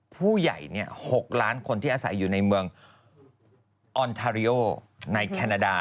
๖ล้านคนที่อาศัยอยู่ในเมืองออนทาริโอในแคนาดา